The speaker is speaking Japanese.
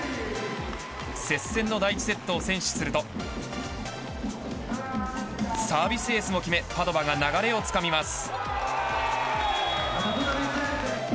接戦の第１セットを先取するとサービスエースを決めパドバが流れをつかみます。